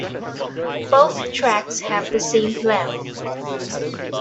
Both tracks have the same length.